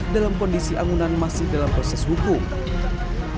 dalam kondisi angunan masih dalam proses hukum